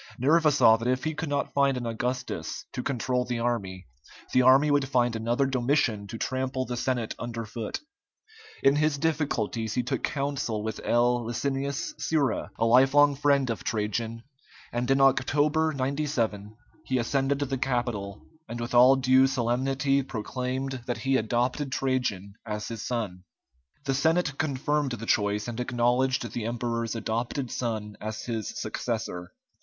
Nerva saw that if he could not find an Augustus to control the army, the army would find another Domitian to trample the Senate under foot. In his difficulties he took counsel with L. Licinius Sura, a lifelong friend of Trajan, and in October, 97, he ascended the Capitol, and with all due solemnity proclaimed that he adopted Trajan as his son. The Senate confirmed the choice, and acknowledged the emperor's adopted son as his successor.